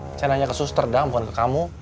saya nanya ke suster dah bukan ke kamu